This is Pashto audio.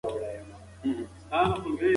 د ساده ژوند طرز يې وساته.